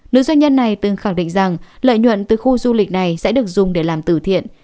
nữ doanh nhân này từng khẳng định rằng lợi nhuận từ khu du lịch này sẽ được dùng để làm tử thiện